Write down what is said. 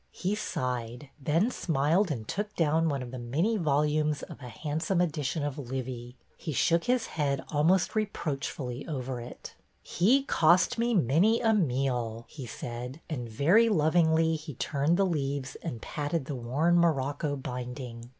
He sighed, then smiled and took down one of the many volumes of a handsome edition of Livy. He shook his head almost reproachfully over it He cost me many a meal," he said, and very lovingly he turned the leaves and patted the worn morocco binding.